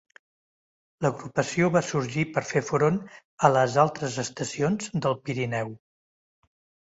L'agrupació va sorgir per fer front a les altres estacions del Pirineu.